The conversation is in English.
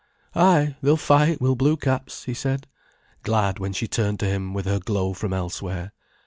"Ay, they'll fight, will blue caps," he said, glad when she turned to him with her glow from elsewhere.